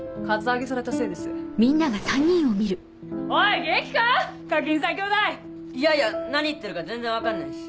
いやいや何言ってるか全然分かんないし。